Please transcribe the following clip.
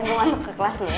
gue masuk ke kelas dulu